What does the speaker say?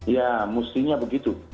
ya mestinya begitu